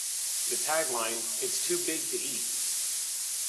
The tag line It's too big to eat!